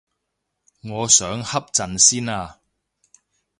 我想瞌陣先啊